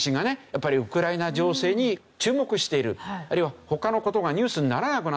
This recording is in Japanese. やっぱりウクライナ情勢に注目しているあるいは他の事がニュースにならなくなった結果